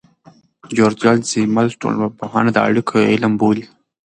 جورج زیمل ټولنپوهنه د اړیکو علم بولي.